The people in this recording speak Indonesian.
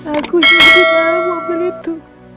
aku sedikit tahu mobil itu